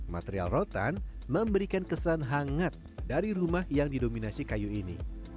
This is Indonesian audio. material rotan memberikan kesan hangat dari rumah yang didominasi kayu ini